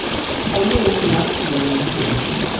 討厭我給她取的名字